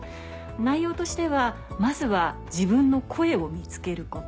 内容としてはまずは自分の声を見つけること。